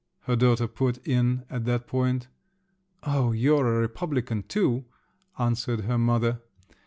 her daughter put in at that point. "Oh, you're a republican, too!" answered her mother).